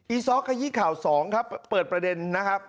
ซอกขยี้ข่าว๒ครับเปิดประเด็นนะครับ